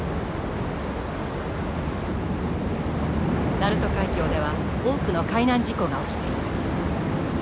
鳴門海峡では多くの海難事故が起きています。